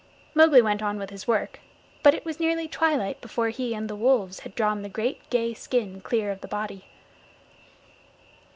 Mowgli went on with his work, but it was nearly twilight before he and the wolves had drawn the great gay skin clear of the body.